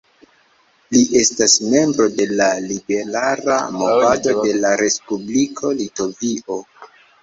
Li estas membro de la Liberala Movado de la Respubliko Litovio.